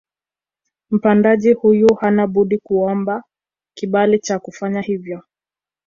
Mpandaji huyu hana budi kuomba kibali cha kufanya hivyo